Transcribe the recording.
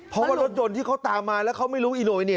เพราะว่ารถยนต์ที่เขาตามมาแล้วเขาไม่รู้อีโนไอเนี่ย